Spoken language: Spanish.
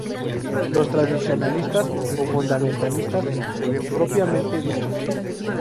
Los tradicionalistas o fundamentalistas propiamente dichos.